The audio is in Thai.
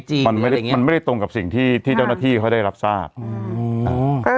จีนมันไม่ตรงกับสิ่งที่ที่เจ้าหน้าที่เขาได้รับทราบก็